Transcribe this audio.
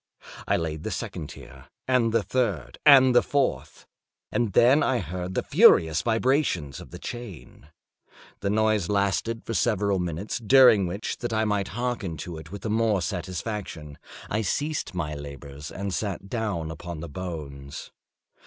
I laid the second tier, and the third, and the fourth; and then I heard the furious vibrations of the chain. The noise lasted for several minutes, during which, that I might hearken to it with the more satisfaction, I ceased my labors and sat down upon the bones.